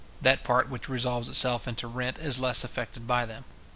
That part which resolves itself into rent is less affected by them.